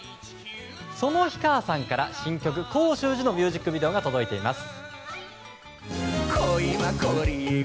その氷川さんから新曲「甲州路」のミュージックビデオが届いております。